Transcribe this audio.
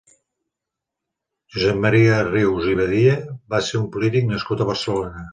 Josep Maria Rius i Badia va ser un polític nascut a Barcelona.